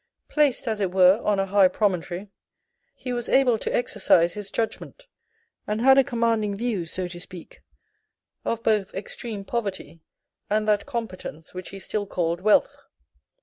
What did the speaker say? Placed as it were on a high promontory, he was able to exercise his judgment, and had a commanding view, so to speak, of both extreme poverty and that competence which he still called wealth.